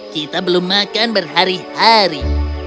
kita belum makan berhari hari